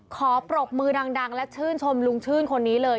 ปรบมือดังและชื่นชมลุงชื่นคนนี้เลย